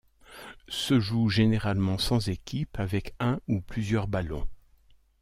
Se joue généralement sans équipe avec un ou plusieurs ballons.